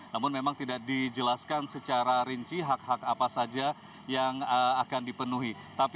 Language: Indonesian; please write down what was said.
namun memang tidak dijelaskan secara rinci hak hak apa saja yang akan dipenuhi